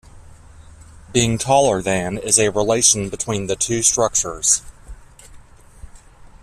Being-taller-than is a relation between the two structures.